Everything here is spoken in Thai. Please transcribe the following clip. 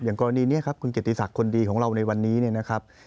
อย่างกรณีนี้ครับคุณเกดีศักดิ์คนดีของเราในวันนี้นะครับ